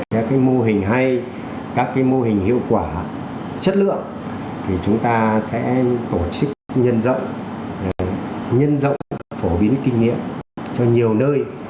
các mô hình hay các mô hình hiệu quả chất lượng thì chúng ta sẽ tổ chức nhân rộng nhân rộng phổ biến kinh nghiệm cho nhiều nơi